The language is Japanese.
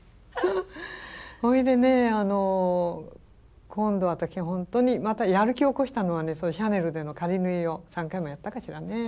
それでね今度私は本当にまたやる気を起こしたのはシャネルでの仮縫いを３回もやったかしらね？